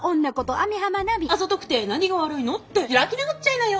「あざとくて何が悪いの？」って開き直っちゃいなよ！